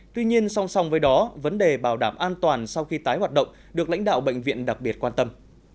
tuy nhiên song song với đó vấn đề bảo đảm an toàn sau khi tái hoạt động được lãnh đạo bệnh viện đặc biệt quan tâm